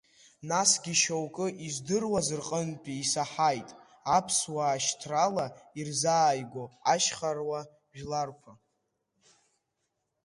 Насгьы, шьоукы издыруаз рҟынтәи исаҳаит, аԥсуаа шьҭрала ирзааигәо ашьхаруа жәларқәа…